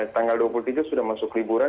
tanggal dua puluh tiga sudah masuk liburan